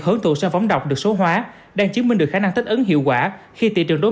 hướng tụ sản phẩm đọc được số hóa đang chứng minh được khả năng thích ứng hiệu quả khi thị trường đối